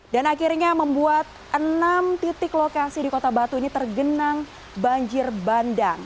dan akhirnya membuat enam titik lokasi di kota batu ini tergenang banjir bandang